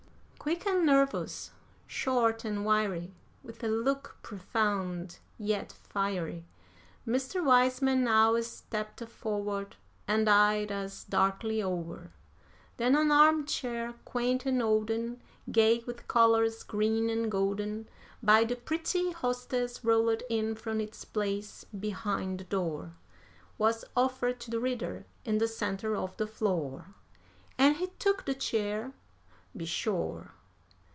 Quick and nervous, short and wiry, with a look profound, yet fiery, Mr. Wiseman now stepped forward and eyed us darkly o'er, Then an arm chair, quaint and olden, gay with colors green and golden, By the pretty hostess rolled in from its place behind the door, Was offered to the reader, in the centre of the floor, And he took the chair be sure.